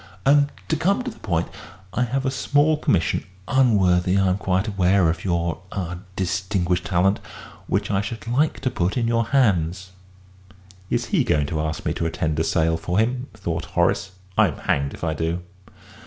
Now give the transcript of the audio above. And, to come to the point, I have a small commission unworthy, I am quite aware, of your ah distinguished talent which I should like to put in your hands." "Is he going to ask me to attend a sale for him?" thought Horace. "I'm hanged if I do."